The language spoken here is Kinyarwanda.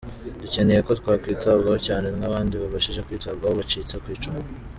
Dukeneye ko twakwitabwaho cyane nk’abandi babashije kwitabwaho bacitse ku icumu.